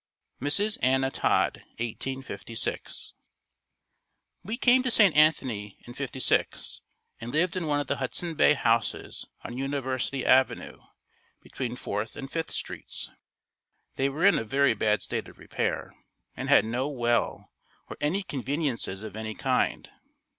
Mrs. Anna Todd 1856. We came to St. Anthony in '56 and lived in one of the Hudson Bay houses on University Avenue between Fourth and Fifth Streets. They were in a very bad state of repair and had no well or any conveniences of any kind.